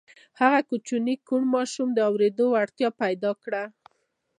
هغه کوچني کوڼ ماشوم د اورېدو وړتیا پیدا کړه